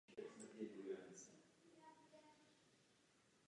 Přenos z tepelně upraveného vepřového masa na člověka není možný.